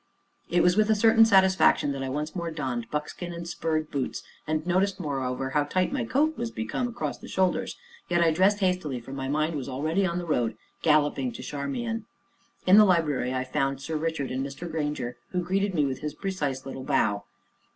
It was with a certain satisfaction that I once more donned buckskin and spurred boots, and noticed moreover how tight my coat was become across the shoulders; yet I dressed hastily, for my mind was already on the road, galloping to Charmian. In the library I found Sir Richard, and Mr. Grainger, who greeted me with his precise little bow.